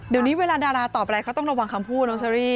เดี๋ยวนี้เวลาดาราตอบอะไรเขาต้องระวังคำพูดน้องเชอรี่